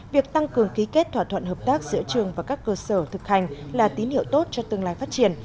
việc tăng cường ký kết thỏa thuận hợp tác giữa trường và các cơ sở thực hành là tín hiệu tốt cho tương lai phát triển